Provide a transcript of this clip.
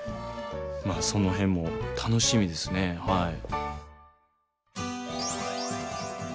まあその辺も楽しみですねはい。